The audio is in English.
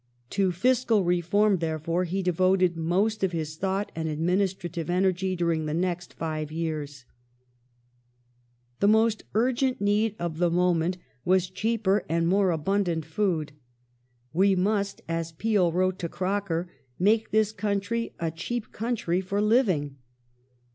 To fiscal reform, therefore, he devoted most of his thought and administrative energy during the next five years. Tariff The most urgent need of the moment was cheaper and more reform abundant food. " We must " (as Peel wrote to Croker) " make this country a cheap country for living."